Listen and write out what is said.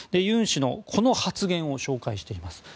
ユン氏のこの発言を紹介しています。